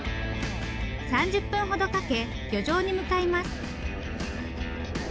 ３０分ほどかけ漁場に向かいます。